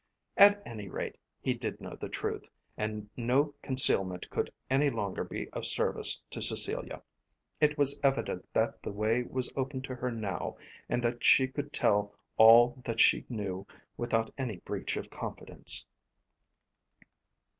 At any rate he did know the truth, and no concealment could any longer be of service to Cecilia. It was evident that the way was open to her now, and that she could tell all that she knew without any breach of confidence.